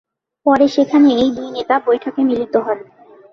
পরে সেখানে এই দুই নেতা বৈঠকে মিলিত হন।